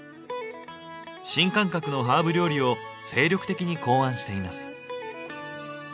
新感覚のハーブ料理を精力的に考案しています。